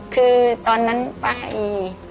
คือตอนนั้นไป